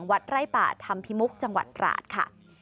วัดไร่ป่าธรรมพิมุกจังหวัดตราดค่ะ